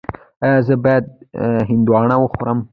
ایا زه باید هندواڼه وخورم؟